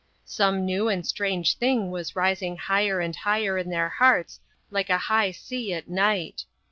Some new and strange thing was rising higher and higher in their hearts like a high sea at night.